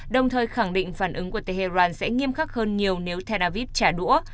đồng thời khẳng định phản ứng của tehran sẽ nghiêm khắc hơn nhiều nếu tel aviv trả đũa